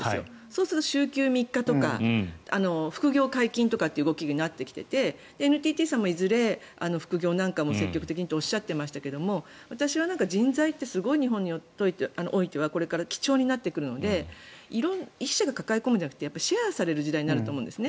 そうすると週休３日とか副業解禁という動きになってきてＮＴＴさんもいずれも副業なんかも積極的にとおっしゃっていましたが私は人材、日本においてはこれから貴重になってくるので１社が抱え込むんじゃなくてシェアされると思うんです。